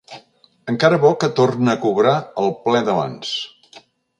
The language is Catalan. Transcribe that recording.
Encara bo que torna a cobrar el ple d'abans.